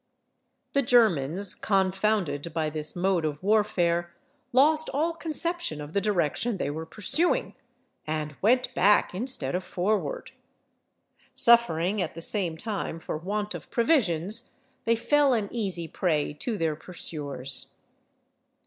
The Germans, confounded by this mode of warfare, lost all conception of the direction they were pursuing, and went back instead of forward. Suffering at the same time for want of provisions, they fell an easy prey to their pursuers.